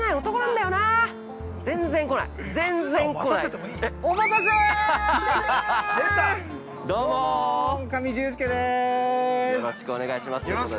◆よろしくお願いします◆